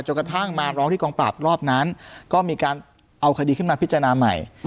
กระทั่งมาร้องที่กองปราบรอบนั้นก็มีการเอาคดีขึ้นมาพิจารณาใหม่